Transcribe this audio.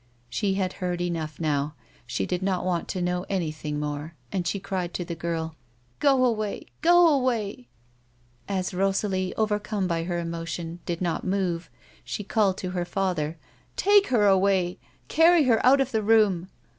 She had heard enough now, she did not want to know any thing more and she cried to the girl :" Go away ! go away !" As Kosalie, overcome by her emotion, did not move, she called to her father :" Take her away ! Carry her out of the room